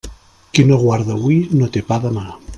Qui no guarda hui no té pa demà.